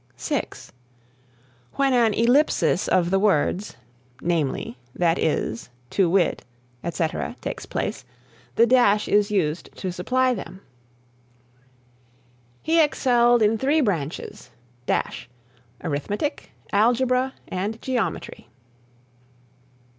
(6) When an ellipsis of the words, namely, that is, to wit, etc., takes place, the dash is used to supply them: "He excelled in three branches arithmetic, algebra, and geometry."